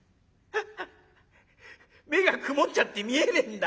「目が曇っちゃって見えねえんだよ。